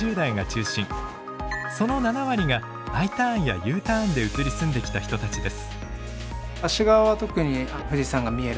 その７割がＩターンやＵターンで移り住んできた人たちです。